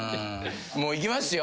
もういきますよ。